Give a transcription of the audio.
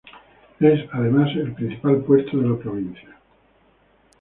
Es, además, el principal puerto de la provincia.